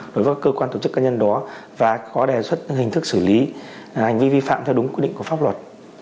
đối với cơ quan tổ chức cá nhân đó và có đề xuất hình thức xử lý hành vi vi phạm theo đúng quy định của pháp luật